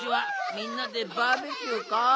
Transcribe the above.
みんなでバーベキューか。